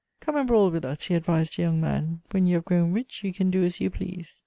"Come and 'brawl' with us," he advised a young man: "when you have grown rich, you can do as you please."